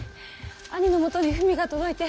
兄のもとに文が届いて。